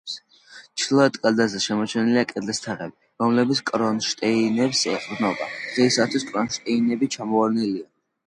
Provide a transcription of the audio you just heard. ჩრდილოეთ კედელზე შემორჩენილია კედლის თაღები, რომელიც კრონშტეინებს ეყრდნობოდა; დღეისათვის კრონშტეინები ჩამოვარდნილია.